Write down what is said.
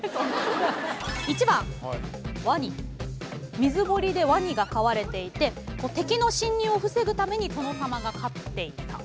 水堀でワニが飼われていて敵の侵入を防ぐために殿様が飼っていた。